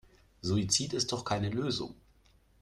Suizid ist doch keine Lösung.